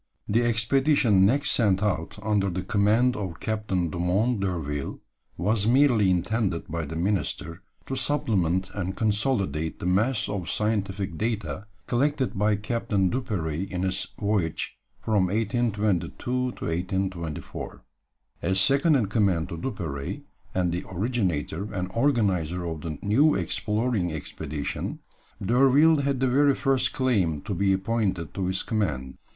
The expedition next sent out under the command of Captain Dumont d'Urville was merely intended by the minister to supplement and consolidate the mass of scientific data collected by Captain Duperrey in his voyage from 1822 to 1824. As second in command to Duperrey, and the originator and organizer of the new exploring expedition, D'Urville had the very first claim to be appointed to its command.